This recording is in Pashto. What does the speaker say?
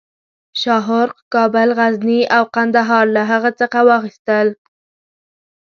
شاهرخ کابل، غزني او قندهار له هغه څخه واخیستل.